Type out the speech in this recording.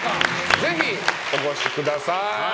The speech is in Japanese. ぜひお越しください。